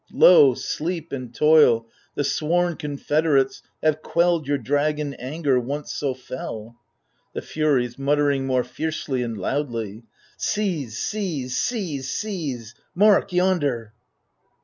Lo, sleep and toil, the sworn confederates. Have quelled your dragon anger, once so fell ! The Furies {muttering more fiercely and loudly) Seize, seize, seize, seize — mark, yonder!